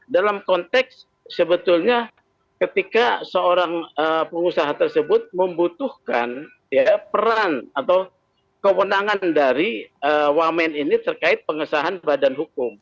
dalam konteks sebetulnya ketika seorang pengusaha tersebut membutuhkan peran atau kewenangan dari wamen ini terkait pengesahan badan hukum